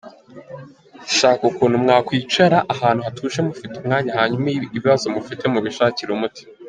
Shaka ukuntu mwakwicara ahantu hatuje mufite umwanya hanyuma ibibazo mufite mubishakire umuti.